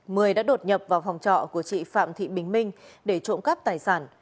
mười đã đột nhập vào phòng trọ của chị phạm thị bình minh để trộm cắp tài sản